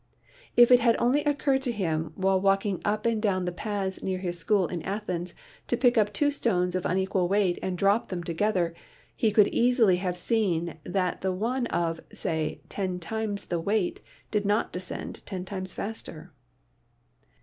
If it had only occurred to him, while walking up and down the paths near his school in Athens, to pick up two stones of unequal weight and drop them together, he could easily have seen that the one of, say, ten times the weight did not descend ten times faster.